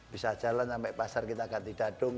bisa jalan sampai pasar kita ganti dadung